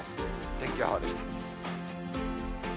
天気予報でした。